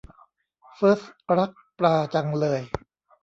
เฟิสท์รักปลาจังเลย